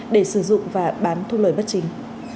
để sử dụng và bám thu lời bất chính